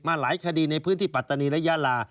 หลายคดีในพื้นที่ปัตตานีและยาลา